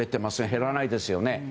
減らないですよね。